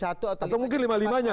atau mungkin lima lima nya